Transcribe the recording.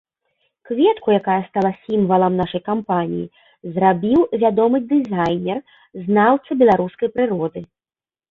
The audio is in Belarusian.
Кветку, якая стала сімвалам нашай кампаніі, зрабіў вядомы дызайнер, знаўца беларускай прыроды.